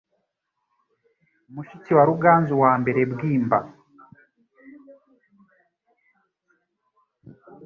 mushiki wa Ruganzu wa mbere Bwimba.